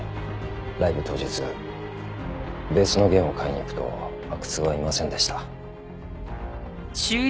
ライブ当日ベースの弦を買いに行くと阿久津はいませんでした。